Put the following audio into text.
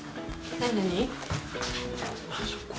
何？